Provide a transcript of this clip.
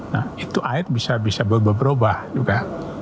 nah itu akhirnya bisa berubah ubah juga